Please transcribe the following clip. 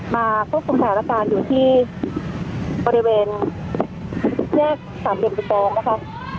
มาควบคุมแถวอาจารย์อยู่ที่บริเวณแยกสามเดียวกันแบนนะคะ